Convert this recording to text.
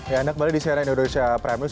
ya anda kembali di cnn indonesia prime news